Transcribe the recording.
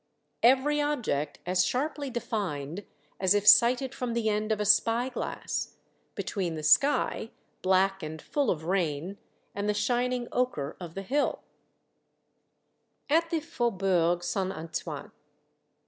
Every object as sharply defined as if sighted from the end of a spyglass, between the sky, black and full of rain, and the shining ochre of the hill. io8 Monday Tales, AT THE FAUBOURG SAINT ANTOINE.